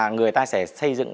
người ta sẽ xây dựng